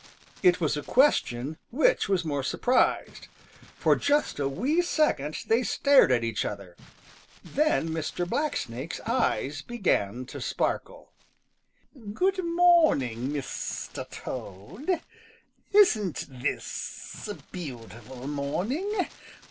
It was a question which was more surprised. For just a wee second they stared at each other. Then Mr. Blacksnake's eyes began to sparkle. "Good morning, Mr. Toad. Isn't this a beautiful morning?